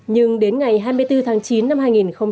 nhưng đến ngày hai mươi bốn tháng chín năm hai nghìn hai mươi một